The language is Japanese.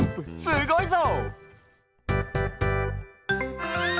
すごいぞ！